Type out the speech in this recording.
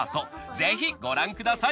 ぜひご覧ください。